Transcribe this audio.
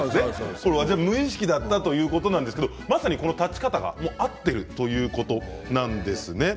無意識だったということですが、まさにこの立ち方が合っているということなんですね。